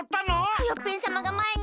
クヨッペンさまがまえに。